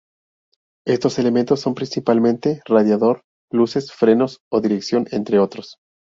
Estos elementos son principalmente radiador, luces, frenos o dirección, entre otros.